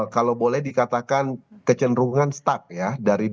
kalau boleh dikatakan kecenderungan staf ya dari dua ribu delapan belas dua ribu sembilan belas